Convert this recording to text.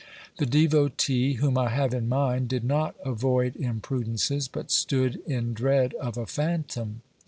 2i8 OBERMANN The devotee whom I have in my mind did not avoid imprudences, but stood in dread of a phantom.